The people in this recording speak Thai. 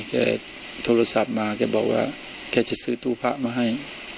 แกโทรศัพท์มาแกบอกว่าแกจะซื้อตู้พระมาให้